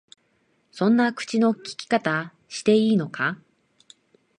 そんな口の利き方していいのか？